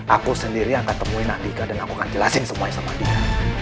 aku sendiri yang akan temuin andika dan aku akan jelasin semuanya sama dia